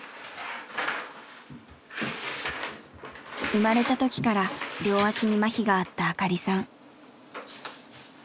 生まれた時から両足にまひがあった明香里さん。